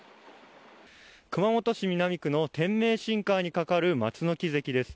熊本市南区の天明新川に架かる松の木堰です。